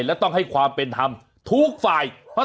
และต้องให้ความเป็นธรรมทุกฝ่าย